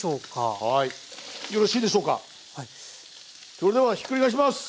それではひっくり返します！